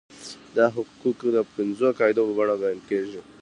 دا حقوق د پنځو قاعدو په بڼه بیان کیږي.